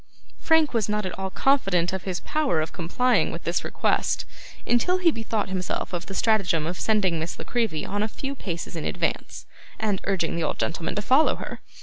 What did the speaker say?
Frank was not at all confident of his power of complying with this request, until he bethought himself of the stratagem of sending Miss La Creevy on a few paces in advance, and urging the old gentleman to follow her.